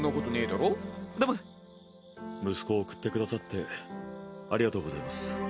息子を送ってくださってありがとうございます。